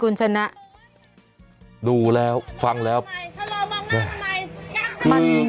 กุญชนะดูแล้วฟังแล้วทำไมคุณถูกคิดทำไม